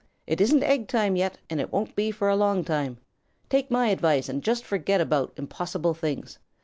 It isn't egg time yet, and it won't be for a long time. Take my advice and just forget about impossible things.